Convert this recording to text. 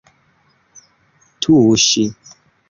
tuŝi